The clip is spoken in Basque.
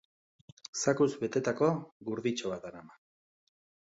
Zakuz betetako gurditxo bat darama.